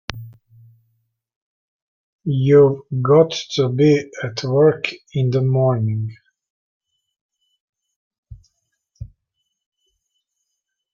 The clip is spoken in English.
You've got to be at work in the morning.